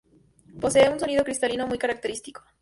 Posee un sonido cristalino muy característico.